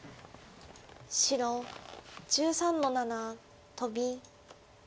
白１３の七トビ。